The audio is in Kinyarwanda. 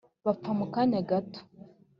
Bapfa mu kanya gato